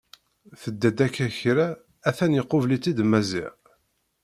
Tedda-d akka kra a-t-an iqubel-itt-id Maziɣ.